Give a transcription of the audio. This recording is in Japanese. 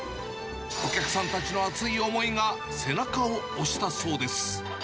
お客さんたちの熱い思いが、背中を押したそうです。